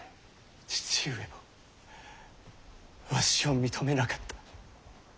父上もわしを認めなかった。